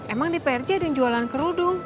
emang di prj ada yang jualan kerudung